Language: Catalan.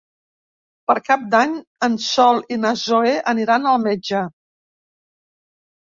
Per Cap d'Any en Sol i na Zoè aniran al metge.